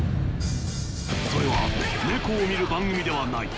それはネコを見る番組ではない。